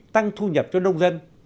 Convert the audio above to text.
tăng thu nhập cho nông dân